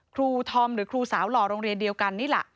ครูธอมหรือครูสาวหล่อโรงเรียนเดียวกันนี่แหละ